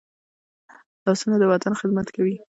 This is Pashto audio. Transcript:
لاسونه د وطن خدمت کوي